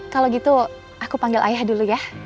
kalau gitu aku panggil ayah dulu ya